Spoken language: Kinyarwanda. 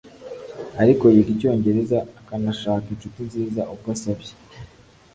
ariko yiga icyongereza akanashaka inshuti nziza ubwo asabye